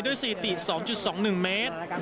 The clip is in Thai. ด้วยสรีติ๒๒๑เมตร